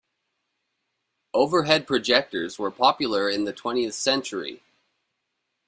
Overhead projectors were popular in the twentieth century.